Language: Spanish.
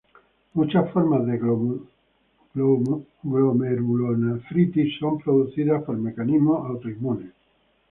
Muchas formas de glomerulonefritis son producidas por mecanismos autoinmunes.